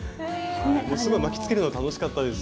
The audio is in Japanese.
巻きつけるの楽しかったです。